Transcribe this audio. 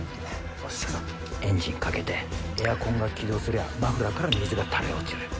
エンジンかけてエアコンが起動すりゃマフラーから水が垂れ落ちる。